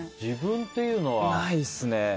ないっすね。